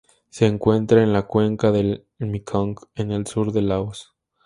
Se encuentra en la cuenca del Mekong en el sur de Laos.